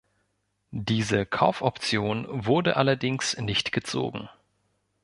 Diese Kaufoption wurde allerdings nicht gezogen.